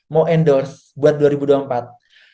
mau endorse buat dua ribu dua puluh empat